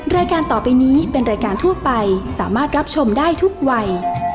รายการต่อไปนี้เป็นรายการทั่วไปสามารถรับชมได้ทุกวัย